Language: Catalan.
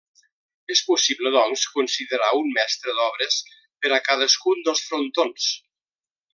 És possible, doncs, considerar un mestre d'obres per a cadascun dels frontons.